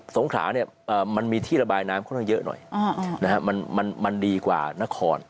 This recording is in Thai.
งขาเนี่ยมันมีที่ระบายน้ำค่อนข้างเยอะหน่อยมันดีกว่านคร